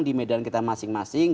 di medan kita masing masing